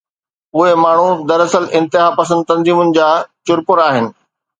اهي ماڻهو دراصل انتهاپسند تنظيمن جا چرپر آهن.